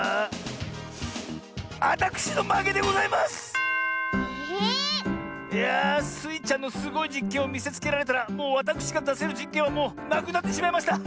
⁉いやスイちゃんのすごいじっけんをみせつけられたらもうわたくしがだせるじっけんはもうなくなってしまいました。